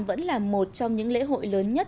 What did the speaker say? vẫn là một trong những lễ hội lớn nhất